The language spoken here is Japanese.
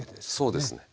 そうですね。